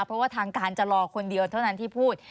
เพราะว่าทางการจะรอคนเดียวเท่านั้นที่พูด